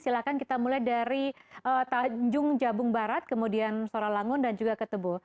silakan kita mulai dari tanjung jabung barat kemudian sorolangun dan juga ketebo